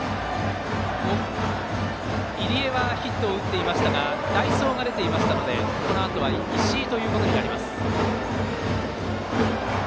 入江はヒットを打っていましたが代走が出ていましたのでこのあとは石井ということになります。